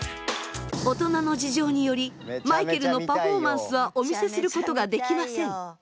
大人の事情によりマイケルのパフォーマンスはお見せすることができません。